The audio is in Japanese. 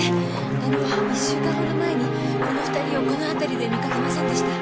あの１週間ほど前にこの２人をこのあたりで見かけませんでした？